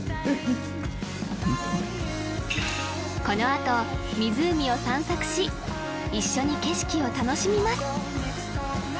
このあと湖を散策し一緒に景色を楽しみます